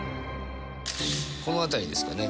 この辺りですかね。